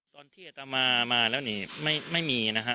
ตอนที่อัตมามาแล้วนี่ไม่มีนะฮะ